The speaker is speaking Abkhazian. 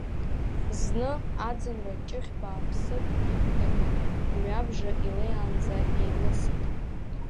Зны аӡынра ҷыхь бааԥсык иқәнакын мҩабжа илеиаанӡа еилысит.